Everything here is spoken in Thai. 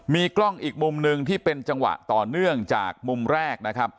มีกล้องอีกมุมหนึ่งที่เป็นจังหวะต่อเนื่องจากมุมแรกนะครับ